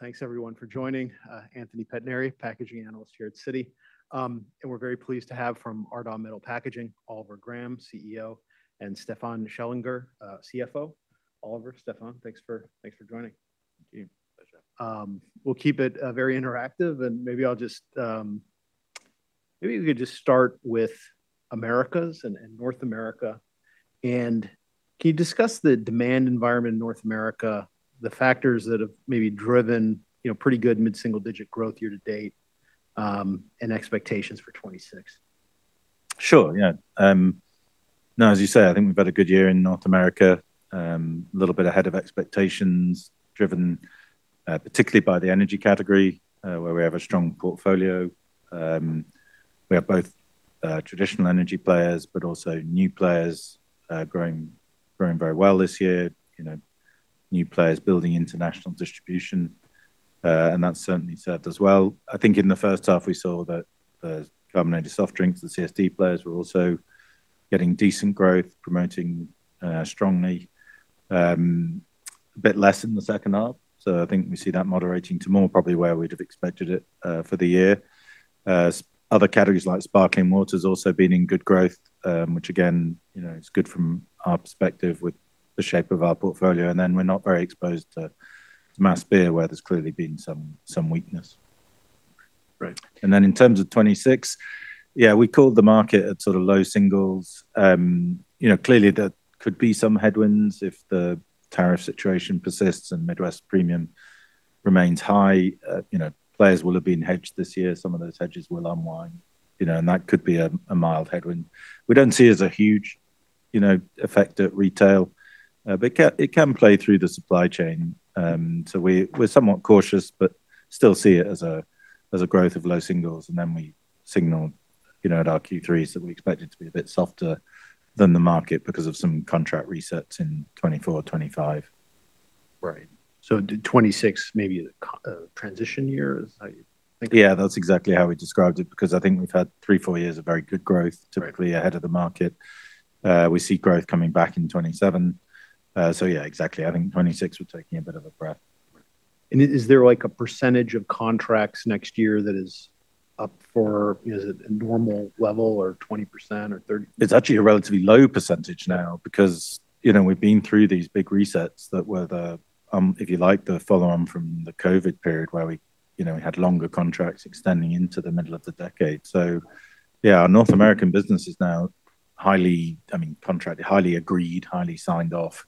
Thanks everyone for joining. Anthony Pettinari, packaging analyst here at Citi. We're very pleased to have from Ardagh Metal Packaging Oliver Graham, CEO, and Stefan Schellinger, CFO. Oliver, Stefan, thanks for joining. Thank you. We'll keep it very interactive, and maybe I'll just, maybe we could just start with Americas and North America. And can you discuss the demand environment in North America, the factors that have maybe driven, you know, pretty good mid-single digit growth year to date, and expectations for 2026? Sure, yeah. No, as you say, I think we've had a good year in North America, a little bit ahead of expectations, driven particularly by the energy category, where we have a strong portfolio. We have both traditional energy players, but also new players growing very well this year, you know, new players building international distribution. And that's certainly served us well. I think in the first half, we saw that the carbonated soft drinks, the CSD players, were also getting decent growth, promoting strongly. A bit less in the second half. So I think we see that moderating to more probably where we'd have expected it for the year. Other categories like sparkling water have also been in good growth, which again, you know, is good from our perspective with the shape of our portfolio. We're not very exposed to mass beer, where there's clearly been some weakness. Great. And then in terms of 2026, yeah, we called the market at sort of low singles. You know, clearly there could be some headwinds if the tariff situation persists and Midwest premium remains high. You know, players will have been hedged this year. Some of those hedges will unwind, you know, and that could be a mild headwind. We don't see it as a huge, you know, effect at retail, but it can play through the supply chain. So we're somewhat cautious, but still see it as a growth of low singles. And then we signaled, you know, at our Q3s that we expected to be a bit softer than the market because of some contract resets in 2024, 2025. Right, so 2026 maybe a transition year, is that how you think? Yeah, that's exactly how we described it, because I think we've had three, four years of very good growth, typically ahead of the market. We see growth coming back in 2027. So yeah, exactly. I think 2026 we're taking a bit of a breath. Is there like a percentage of contracts next year that is up for, is it a normal level or 20% or 30%? It's actually a relatively low percentage now because, you know, we've been through these big resets that were the, if you like, the follow-on from the COVID period where we, you know, we had longer contracts extending into the middle of the decade. So yeah, our North American business is now highly, I mean, contracted, highly agreed, highly signed off.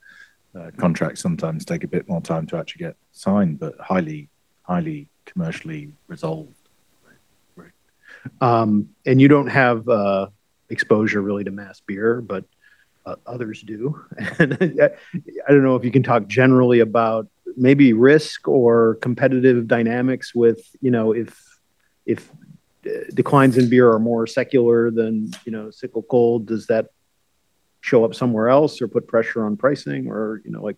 Contracts sometimes take a bit more time to actually get signed, but highly, highly commercially resolved. You don't have exposure really to mass beer, but others do. And I don't know if you can talk generally about maybe risk or competitive dynamics with, you know, if declines in beer are more secular than cyclical, does that show up somewhere else or put pressure on pricing or, you know, like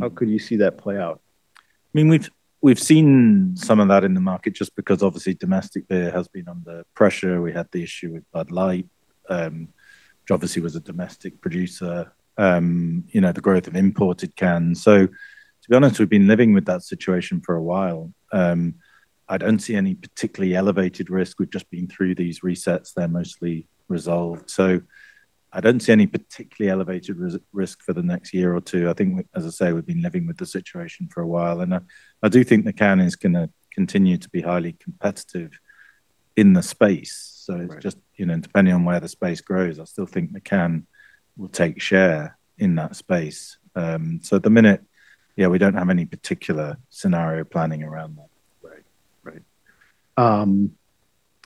how could you see that play out? I mean, we've seen some of that in the market just because obviously domestic beer has been under pressure. We had the issue with Bud Light, which obviously was a domestic producer. You know, the growth of imported cans. So to be honest, we've been living with that situation for a while. I don't see any particularly elevated risk. We've just been through these resets. They're mostly resolved. So I don't see any particularly elevated risk for the next year or two. I think, as I say, we've been living with the situation for a while, and I do think the can is going to continue to be highly competitive in the space. So it's just, you know, depending on where the space grows, I still think the can will take share in that space. So at the minute, yeah, we don't have any particular scenario planning around that. Right, right.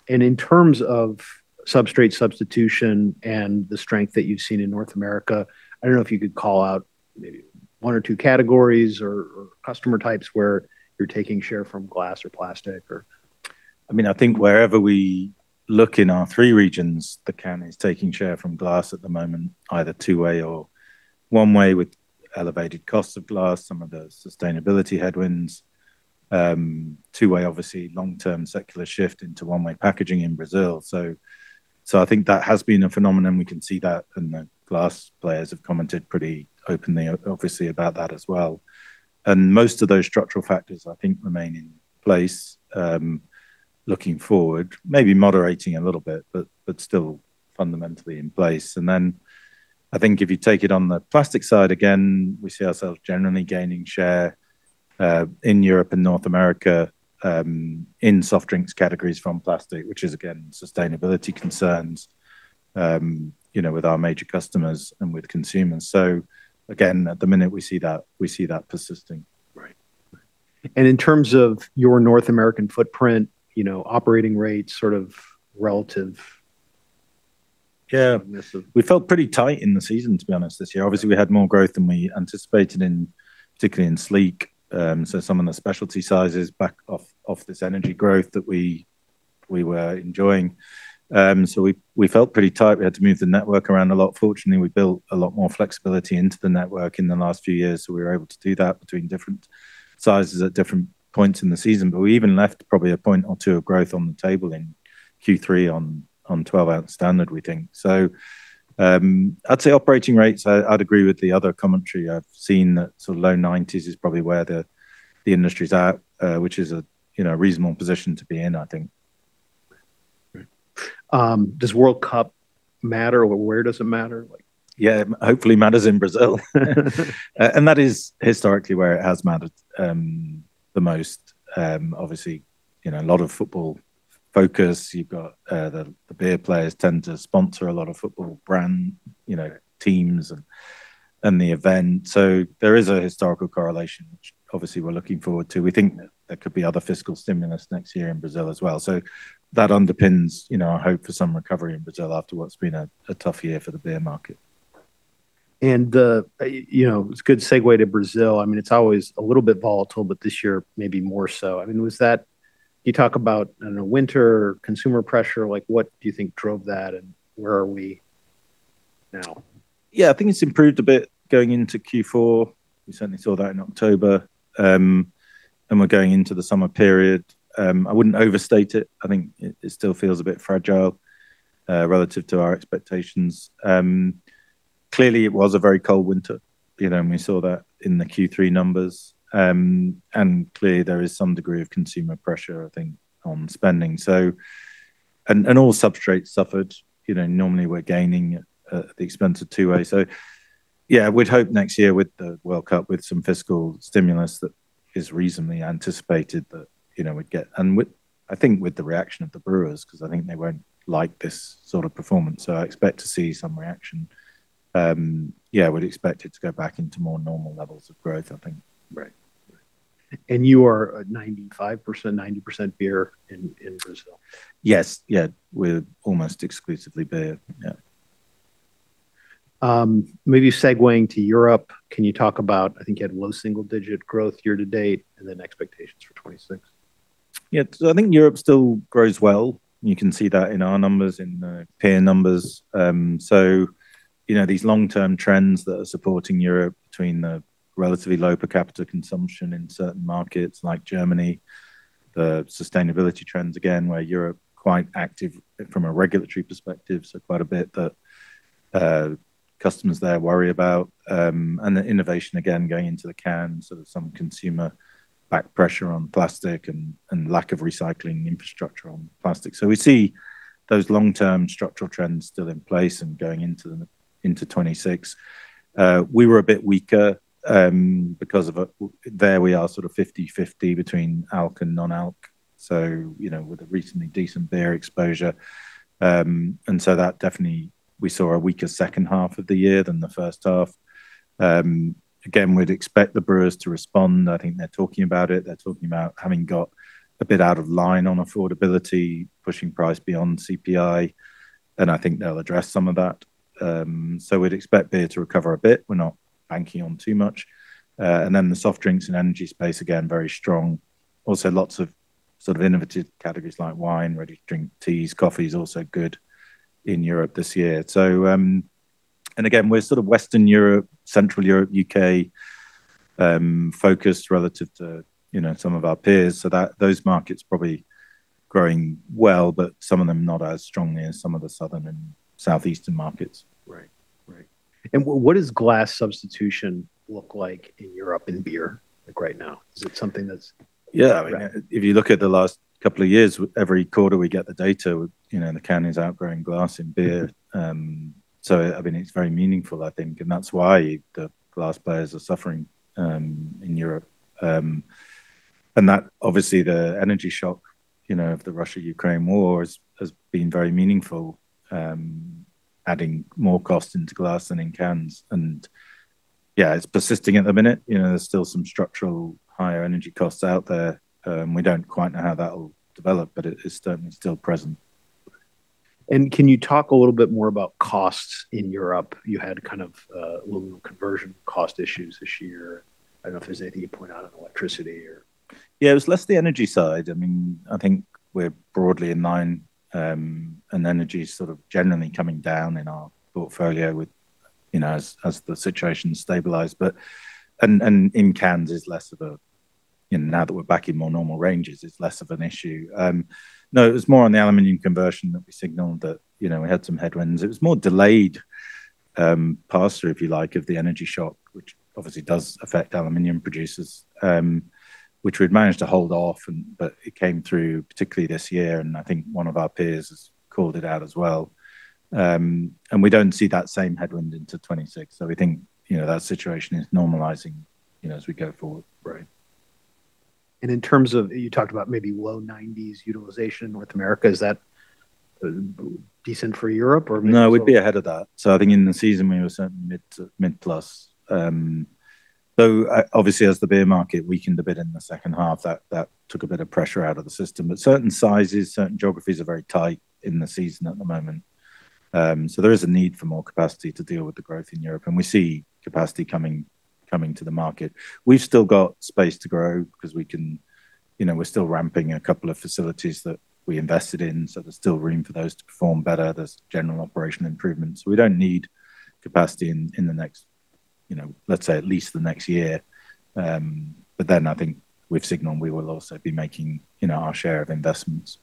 And in terms of substrate substitution and the strength that you've seen in North America, I don't know if you could call out maybe one or two categories or customer types where you're taking share from glass or plastic or? I mean, I think wherever we look in our three regions, the can is taking share from glass at the moment, either two-way or one-way with elevated costs of glass, some of the sustainability headwinds. Two-way, obviously, long-term secular shift into one-way packaging in Brazil. So I think that has been a phenomenon. We can see that, and the glass players have commented pretty openly, obviously, about that as well. And most of those structural factors, I think, remain in place looking forward, maybe moderating a little bit, but still fundamentally in place. And then I think if you take it on the plastic side again, we see ourselves generally gaining share in Europe and North America in soft drinks categories from plastic, which is again, sustainability concerns, you know, with our major customers and with consumers. So again, at the minute, we see that persisting. Right. And in terms of your North American footprint, you know, operating rates sort of relative? Yeah, we felt pretty tight in the season, to be honest, this year. Obviously, we had more growth than we anticipated particularly in sleek. So some of the specialty sizes backed off this energy growth that we were enjoying. So we felt pretty tight. We had to move the network around a lot. Fortunately, we built a lot more flexibility into the network in the last few years. So we were able to do that between different sizes at different points in the season. But we even left probably a point or two of growth on the table in Q3 on 12-ounce standard, we think. So I'd say operating rates. I'd agree with the other commentary. I've seen that sort of low 90s is probably where the industry's at, which is a reasonable position to be in, I think. Does World Cup matter? Where does it matter? Yeah, hopefully matters in Brazil, and that is historically where it has mattered the most. Obviously, you know, a lot of football focus. You've got the beer players tend to sponsor a lot of football brand, you know, teams and the event, so there is a historical correlation, which obviously we're looking forward to. We think there could be other fiscal stimulus next year in Brazil as well, so that underpins, you know, our hope for some recovery in Brazil after what's been a tough year for the beer market. You know, it's a good segue to Brazil. I mean, it's always a little bit volatile, but this year maybe more so. I mean, was that, you talk about, I don't know, winter consumer pressure, like what do you think drove that and where are we now? Yeah, I think it's improved a bit going into Q4. We certainly saw that in October, and we're going into the summer period. I wouldn't overstate it. I think it still feels a bit fragile relative to our expectations. Clearly, it was a very cold winter, you know, and we saw that in the Q3 numbers, and clearly, there is some degree of consumer pressure, I think, on spending, so and all substrates suffered, you know. Normally we're gaining at the expense of two-way, so yeah, we'd hope next year with the World Cup, with some fiscal stimulus that is reasonably anticipated that, you know, we'd get, and I think with the reaction of the brewers, because I think they won't like this sort of performance, so I expect to see some reaction. Yeah, we'd expect it to go back into more normal levels of growth, I think. Right, and you are a 95%, 90% beer in Brazil? Yes. Yeah, we're almost exclusively beer. Yeah. Maybe segueing to Europe, can you talk about, I think you had low single-digit growth year to date and then expectations for 2026? Yeah, so I think Europe still grows well. You can see that in our numbers, in the peer numbers. So, you know, these long-term trends that are supporting Europe between the relatively low per capita consumption in certain markets like Germany, the sustainability trends again, where Europe quite active from a regulatory perspective, so quite a bit that customers there worry about. And the innovation again going into the can, sort of some consumer back pressure on plastic and lack of recycling infrastructure on plastic. So we see those long-term structural trends still in place and going into 2026. We were a bit weaker because of that. We are sort of 50-50 between ALK and non-ALK. So, you know, with a reasonably decent beer exposure. And so that definitely, we saw a weaker second half of the year than the first half. Again, we'd expect the brewers to respond. I think they're talking about it. They're talking about having got a bit out of line on affordability, pushing price beyond CPI. And I think they'll address some of that. So we'd expect beer to recover a bit. We're not banking on too much. And then the soft drinks and energy space, again, very strong. Also lots of sort of innovative categories like wine, ready to drink teas, coffees also good in Europe this year. So, and again, we're sort of Western Europe, Central Europe, UK focused relative to, you know, some of our peers. So those markets probably growing well, but some of them not as strongly as some of the southern and southeastern markets. Right, right. And what does glass substitution look like in Europe and beer right now? Is it something that's? Yeah, I mean, if you look at the last couple of years, every quarter we get the data, you know, the can is outgrowing glass in beer. So I mean, it's very meaningful, I think. And that's why the glass players are suffering in Europe. And that obviously the energy shock, you know, of the Russia-Ukraine war has been very meaningful, adding more costs into glass than in cans. And yeah, it's persisting at the minute. You know, there's still some structural higher energy costs out there. We don't quite know how that will develop, but it's certainly still present. Can you talk a little bit more about costs in Europe? You had kind of a little conversion cost issues this year. I don't know if there's anything you point out on electricity or? Yeah, it was less the energy side. I mean, I think we're broadly in line and energy sort of generally coming down in our portfolio with, you know, as the situation stabilized. But, and in cans is less of a, you know, now that we're back in more normal ranges, it's less of an issue. No, it was more on the aluminum conversion that we signaled that, you know, we had some headwinds. It was more delayed pass-through, if you like, of the energy shock, which obviously does affect aluminum producers, which we've managed to hold off, but it came through particularly this year. And I think one of our peers has called it out as well. And we don't see that same headwind into 2026. So we think, you know, that situation is normalizing, you know, as we go forward. Right. And in terms of, you talked about maybe low 90s utilization in North America, is that decent for Europe or? No, we'd be ahead of that. So I think in the season we were certainly mid-plus. Though obviously as the beer market weakened a bit in the second half, that took a bit of pressure out of the system. But certain sizes, certain geographies are very tight in the season at the moment. So there is a need for more capacity to deal with the growth in Europe. And we see capacity coming to the market. We've still got space to grow because we can, you know, we're still ramping a couple of facilities that we invested in. So there's still room for those to perform better. There's general operational improvements. So we don't need capacity in the next, you know, let's say at least the next year. But then I think we've signaled we will also be making, you know, our share of investments.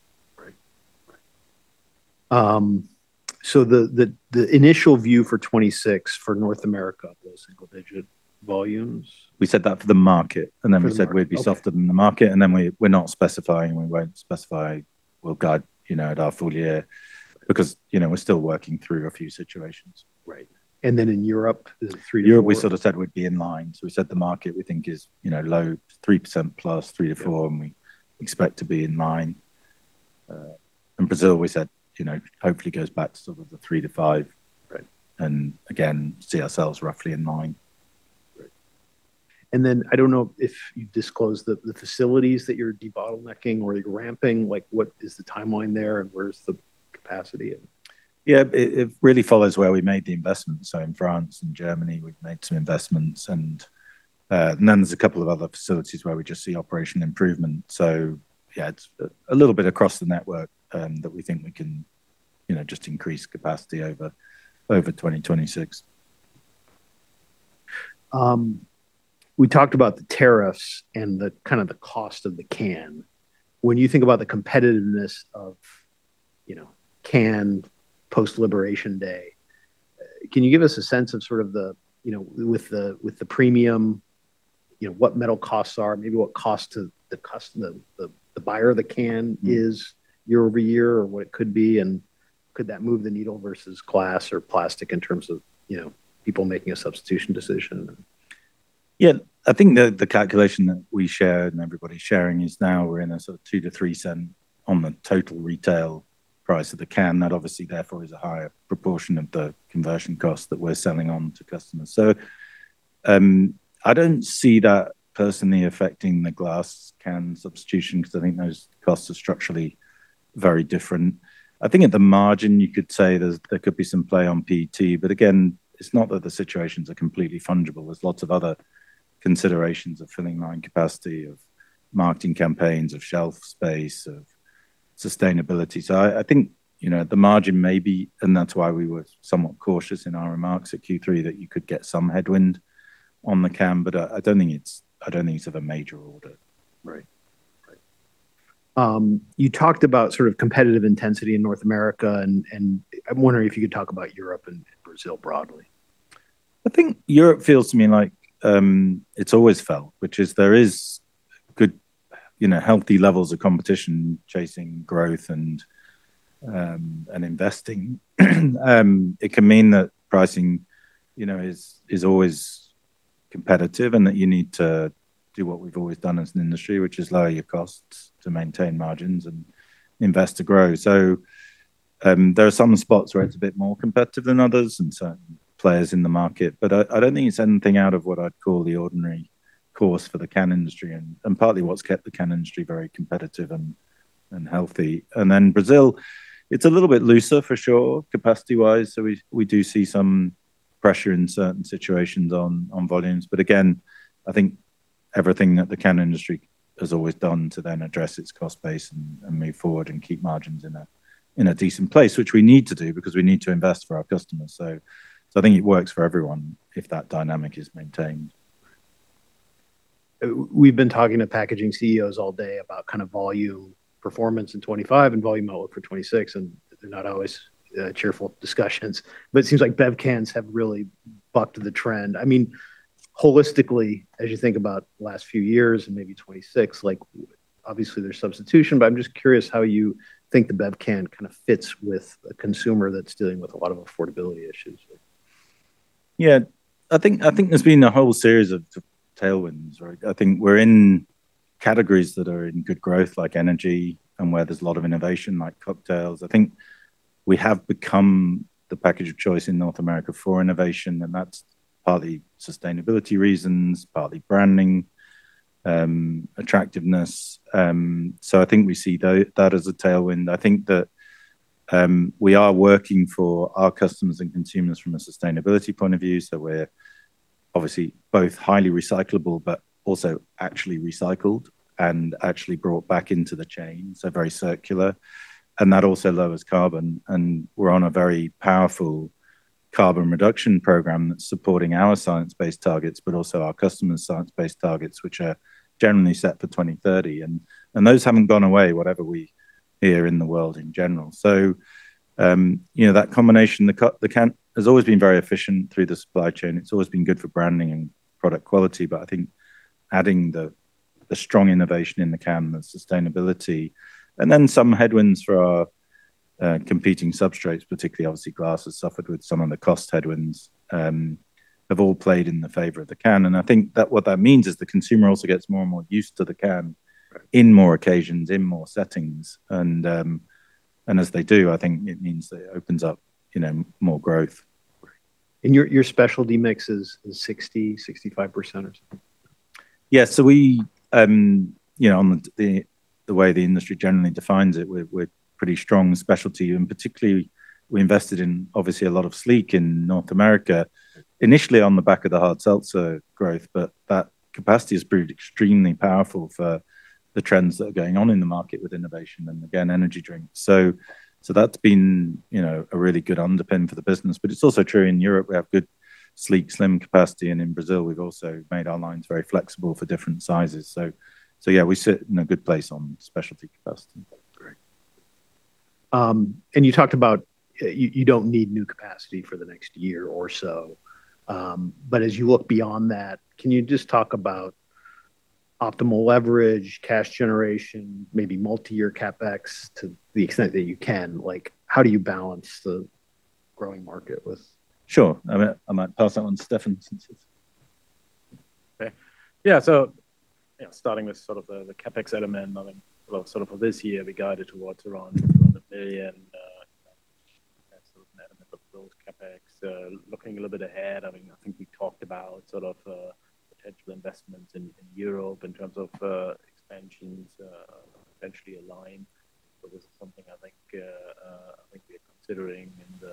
So the initial view for 2026 for North America, low single digit volumes? We said that for the market. And then we said we'd be softer than the market. And then we're not specifying. We won't specify. We'll guide, you know, at our full year because, you know, we're still working through a few situations. Right, and then in Europe, the three to four? Europe, we sort of said we'd be in line, so we said the market we think is, you know, low 3% plus, 3%-4%, and we expect to be in line, and Brazil, we said, you know, hopefully goes back to sort of the 3%-5%, and again, see ourselves roughly in line. And then I don't know if you disclosed the facilities that you're debottlenecking or you're ramping. Like what is the timeline there and where's the capacity? Yeah, it really follows where we made the investments. So in France and Germany, we've made some investments. And then there's a couple of other facilities where we just see operational improvement. So yeah, it's a little bit across the network that we think we can, you know, just increase capacity over 2026. We talked about the tariffs and the kind of the cost of the can. When you think about the competitiveness of, you know, can post-liberation day, can you give us a sense of sort of the, you know, with the premium, you know, what metal costs are, maybe what cost to the buyer of the can is year over year or what it could be? And could that move the needle versus glass or plastic in terms of, you know, people making a substitution decision? Yeah, I think the calculation that we shared and everybody's sharing is now we're in a sort of $0.02-$0.03 on the total retail price of the can. That obviously therefore is a higher proportion of the conversion costs that we're selling on to customers. So I don't see that personally affecting the glass can substitution because I think those costs are structurally very different. I think at the margin you could say there could be some play on PT, but again, it's not that the situations are completely fungible. There's lots of other considerations of filling line capacity, of marketing campaigns, of shelf space, of sustainability. So I think, you know, at the margin maybe, and that's why we were somewhat cautious in our remarks at Q3 that you could get some headwind on the can, but I don't think it's of a major order. Right. You talked about sort of competitive intensity in North America, and I'm wondering if you could talk about Europe and Brazil broadly. I think Europe feels to me like it's always felt, which is there is good, you know, healthy levels of competition chasing growth and investing. It can mean that pricing, you know, is always competitive and that you need to do what we've always done as an industry, which is lower your costs to maintain margins and invest to grow. So there are some spots where it's a bit more competitive than others and certain players in the market, but I don't think it's anything out of what I'd call the ordinary course for the can industry and partly what's kept the can industry very competitive and healthy. And then Brazil, it's a little bit looser for sure, capacity-wise. So we do see some pressure in certain situations on volumes. But again, I think everything that the can industry has always done to then address its cost base and move forward and keep margins in a decent place, which we need to do because we need to invest for our customers. So I think it works for everyone if that dynamic is maintained. We've been talking to packaging CEOs all day about kind of volume performance in 2025 and volume outlook for 2026, and they're not always cheerful discussions. But it seems like bev cans have really bucked the trend. I mean, holistically, as you think about the last few years and maybe 2026, like obviously there's substitution, but I'm just curious how you think the bev can kind of fits with a consumer that's dealing with a lot of affordability issues. Yeah, I think there's been a whole series of tailwinds, right? I think we're in categories that are in good growth like energy and where there's a lot of innovation like cocktails. I think we have become the package of choice in North America for innovation, and that's partly sustainability reasons, partly branding, attractiveness. So I think we see that as a tailwind. I think that we are working for our customers and consumers from a sustainability point of view. So we're obviously both highly recyclable, but also actually recycled and actually brought back into the chain. So very circular. And that also lowers carbon. And we're on a very powerful carbon reduction program that's supporting our science-based targets, but also our customers' science-based targets, which are generally set for 2030. And those haven't gone away, whatever we hear in the world in general. So, you know, that combination, the can has always been very efficient through the supply chain. It's always been good for branding and product quality, but I think adding the strong innovation in the can and the sustainability, and then some headwinds for our competing substrates, particularly obviously glass has suffered with some of the cost headwinds, have all played in the favor of the can. And I think that what that means is the consumer also gets more and more used to the can in more occasions, in more settings. And as they do, I think it means that it opens up, you know, more growth. And your specialty mix is 60%-65% or something? Yeah, so we, you know, on the way the industry generally defines it, we're pretty strong specialty, and particularly we invested in obviously a lot of sleek in North America, initially on the back of the hard seltzer growth, but that capacity has proved extremely powerful for the trends that are going on in the market with innovation and again, energy drinks. So that's been, you know, a really good underpin for the business. But it's also true in Europe, we have good sleek, slim capacity, and in Brazil, we've also made our lines very flexible for different sizes. So yeah, we sit in a good place on specialty capacity. You talked about you don't need new capacity for the next year or so. As you look beyond that, can you just talk about optimal leverage, cash generation, maybe multi-year CapEx to the extent that you can? Like how do you balance the growing market with? Sure. I might pass that one to Stefan. Yeah, so starting with sort of the CapEx element, I think sort of for this year, we guided towards around $1 billion sort of net amount of build CapEx. Looking a little bit ahead, I think we talked about sort of potential investments in Europe in terms of expansions potentially aligned. So this is something I think we are considering in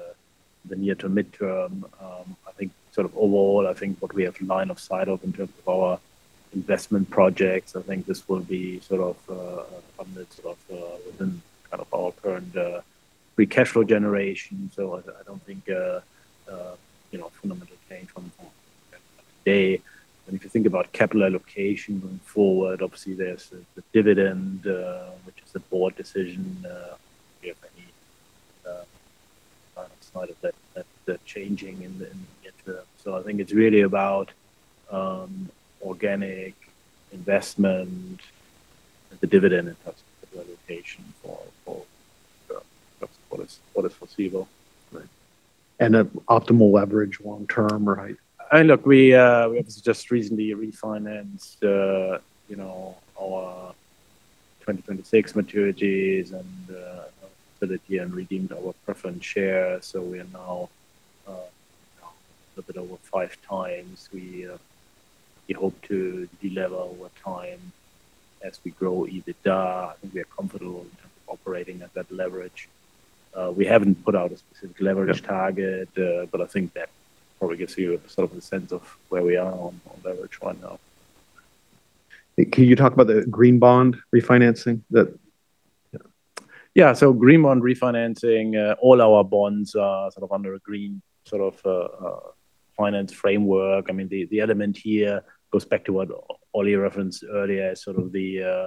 the near- to mid-term. I think sort of overall, I think what we have line of sight of in terms of our investment projects, I think this will be sort of funded sort of within kind of our current free cash flow generation. So I don't think, you know, fundamental change from today. And if you think about capital allocation going forward, obviously there's the dividend, which is a board decision. We have no sign of that changing in the near term, so I think it's really about organic investment, the dividend and capital allocation for what is foreseeable. And optimal leverage long term, right? I look, we obviously just recently refinanced, you know, our 2026 maturities and redeemed our preference shares. So we are now a little bit over five times. We hope to deleverage over time as we grow EBITDA. I think we are comfortable in terms of operating at that leverage. We haven't put out a specific leverage target, but I think that probably gives you sort of a sense of where we are on leverage right now. Can you talk about the Green Bond refinancing? Yeah, so Green Bond refinancing. All our bonds are sort of under a green sort of finance framework. I mean, the element here goes back to what Ollie referenced earlier, sort of the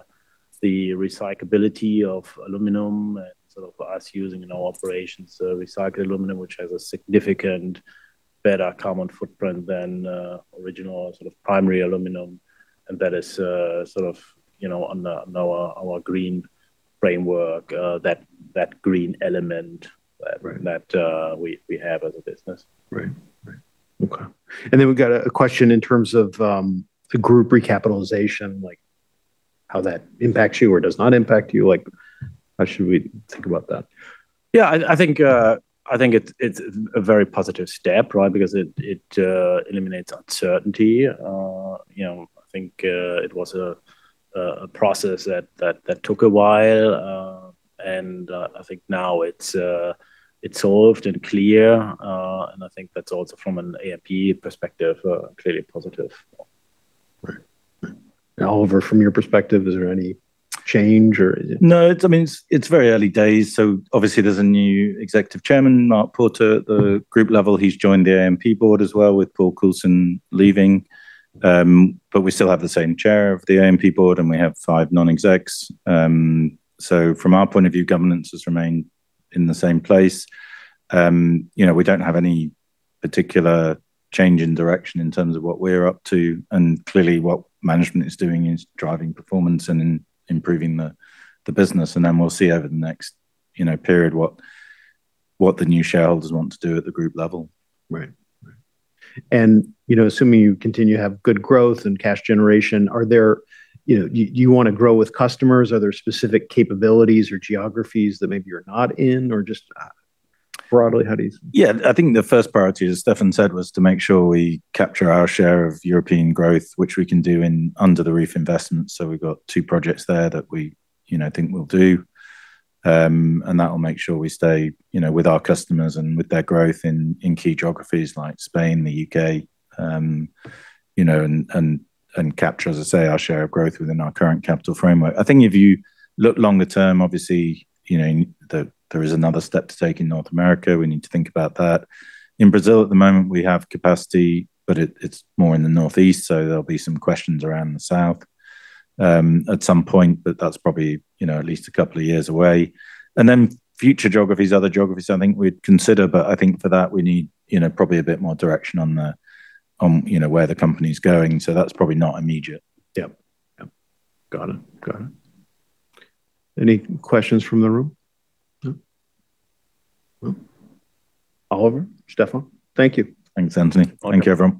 recyclability of aluminum and sort of us using in our operations, so recycled aluminum, which has a significant better carbon footprint than original sort of primary aluminum, and that is sort of, you know, on our green framework, that green element that we have as a business. Right. Okay. And then we've got a question in terms of the group recapitalization, like how that impacts you or does not impact you. Like how should we think about that? Yeah, I think it's a very positive step, right? Because it eliminates uncertainty. You know, I think it was a process that took a while. And I think now it's solved and clear. And I think that's also from an AMP perspective, clearly positive. Oliver, from your perspective, is there any change or? No, I mean, it's very early days. So obviously there's a new Executive Chairman, Mark Potter, at the group level. He's joined the AMP board as well with Paul Coulson leaving. But we still have the same Chair of the AMP board and we have five non-execs. So from our point of view, governance has remained in the same place. You know, we don't have any particular change in direction in terms of what we're up to. And clearly what management is doing is driving performance and improving the business. And then we'll see over the next, you know, period what the new shareholders want to do at the group level. You know, assuming you continue to have good growth and cash generation, are there, you know, do you want to grow with customers? Are there specific capabilities or geographies that maybe you're not in or just broadly how do you? Yeah, I think the first priority, as Stefan said, was to make sure we capture our share of European growth, which we can do under the refit investments. So we've got two projects there that we, you know, think we'll do. And that will make sure we stay, you know, with our customers and with their growth in key geographies like Spain, the UK, you know, and capture, as I say, our share of growth within our current capital framework. I think if you look longer term, obviously, you know, there is another step to take in North America. We need to think about that. In Brazil at the moment, we have capacity, but it's more in the northeast. So there'll be some questions around the south at some point, but that's probably, you know, at least a couple of years away. And then future geographies, other geographies I think we'd consider, but I think for that we need, you know, probably a bit more direction on the, you know, where the company's going. So that's probably not immediate. Yeah. Got it. Got it. Any questions from the room? No? Oliver? Stefan? Thank you. Thanks, Anthony. Thank you, everyone.